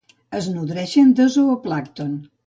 Es nodreixen de zooplàncton.